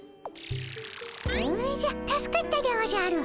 おじゃ助かったでおじゃる。